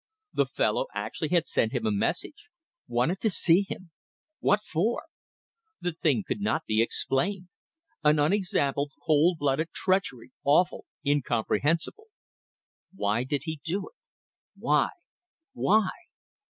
The fellow actually had sent him a message. Wanted to see him. What for? The thing could not be explained. An unexampled, cold blooded treachery, awful, incomprehensible. Why did he do it? Why? Why?